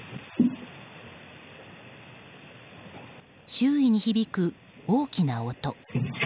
周囲に響く大きな音。